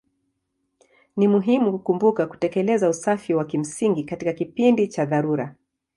Ni muhimu kukumbuka kutekeleza usafi wa kimsingi katika kipindi cha dharura.